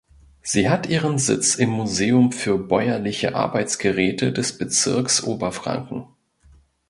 Sie hat ihren Sitz im Museum für bäuerliche Arbeitsgeräte des Bezirks Oberfranken.